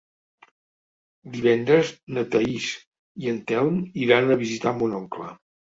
Divendres na Thaís i en Telm iran a visitar mon oncle.